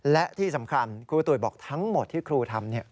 และที่สำคัญครูตุ๋ยบอกทั้งหมดที่ครูทำ